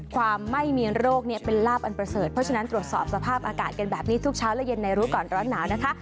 ความไม่มีโรคเป็นลาบอันประเสริฐเพราะฉะนั้นตรวจสอบสภาพอากาศกันแบบนี้ทุกเช้าและเย็นในรู้ก่อนร้อนหนาวนะคะ